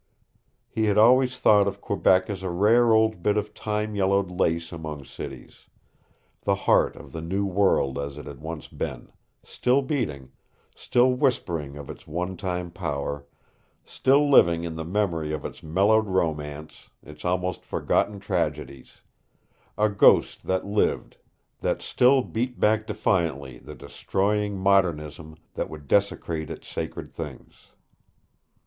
He had always thought of Quebec as a rare old bit of time yellowed lace among cities the heart of the New World as it had once been, still beating, still whispering of its one time power, still living in the memory of its mellowed romance, its almost forgotten tragedies a ghost that lived, that still beat back defiantly the destroying modernism that would desecrate its sacred things.